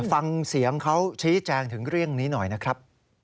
ฟังเสียงเขาชี้แจงถึงเรื่องนี้หน่อยนะครับ